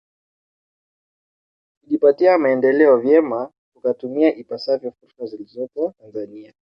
Kujipatia maendeleo vyema tukatumia ipasavyo fursa zilizopo Tanzania